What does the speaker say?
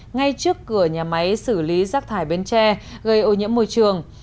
ngay trước cửa nhà máy xử lý rác thải bến tre gây ô nhiễm môi trường